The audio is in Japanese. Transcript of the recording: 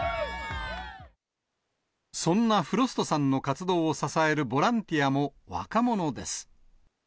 そんなフロストさんの活動を支えるボランティアも若者です。